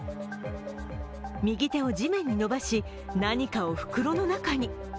右手を地面に伸ばし何かを袋の中に。